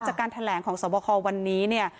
จากการแถลงของสวบคอวันนี้เนี่ย